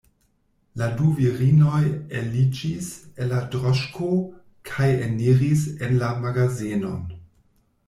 La du virinoj eliĝis el la droŝko kaj eniris en la magazenon.